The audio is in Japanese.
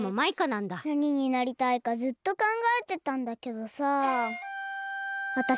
なにになりたいかずっとかんがえてたんだけどさ。